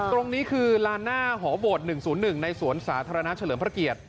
ตรงนี้คือลานหน้าหอโบสถ๑๐๑ในสวนสาธารณะเฉลิมพระเกียรติ